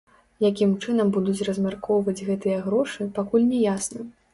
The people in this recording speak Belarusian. Якім чынам будуць размяркоўваць гэтыя грошы, пакуль не ясна.